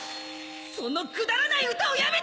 そのくだらない歌をやめて！